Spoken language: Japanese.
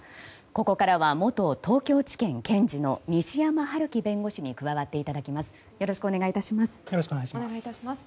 ここからは元東京地検検事の西山晴基弁護士に加わっていただきます。